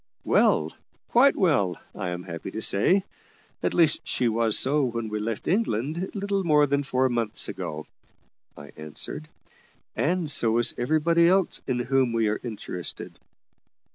"Well; quite well, I am happy to say. At least, she was so when we left England, little more than four months ago," I answered; "and so was everybody else in whom we are interested."